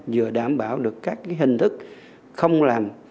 vừa đảm bảo được các hình thức không làm